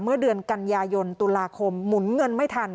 เมื่อเดือนกันยายนตุลาคมหมุนเงินไม่ทัน